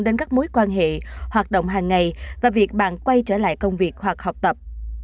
đến các mối quan hệ hoạt động hàng ngày và việc bạn quay trở lại công việc hoặc học tập